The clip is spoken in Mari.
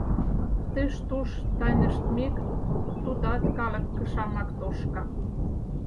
Тыш-туш тайныштмек, тудат калык кышамак тошка.